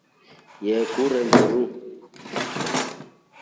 Yee kutre mburu.